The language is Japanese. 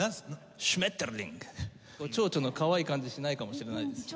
蝶々のかわいい感じしないかもしれないです。